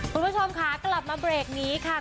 คุณผู้ชมค่ะกลับมาเบรกนี้ค่ะ